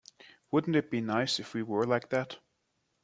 Wouldn't it be nice if we were like that?